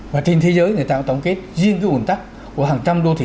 và trên thế giới người ta tổng kết riêng cái ồn tắc của hàng trăm đô thị